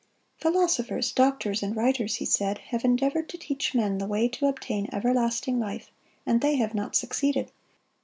"Philosophers, doctors, and writers," he said, "have endeavored to teach men the way to obtain everlasting life, and they have not succeeded.